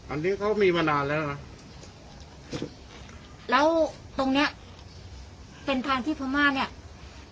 อันนี้เขามีมานานแล้วนะแล้วตรงเนี้ยเป็นทางที่พม่าเนี้ย